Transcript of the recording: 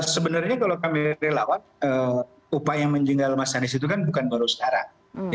sebenarnya kalau kami relawan upaya menjenggal mas anies itu kan bukan baru sekarang